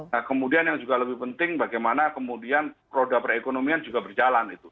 nah kemudian yang juga lebih penting bagaimana kemudian roda perekonomian juga berjalan itu